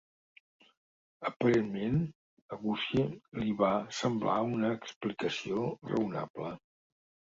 Aparentment, a Gussie li va semblar una explicació raonable.